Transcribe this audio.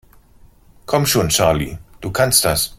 Komm schon, Charlie, du kannst das!